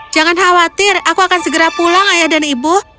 jangan khawatir aku akan segera pulang ayah dan ibu